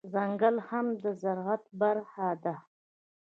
ځنګل هم د زرعت برخه ده